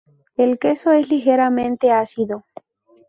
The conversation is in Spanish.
El queso es ligeramente ácido.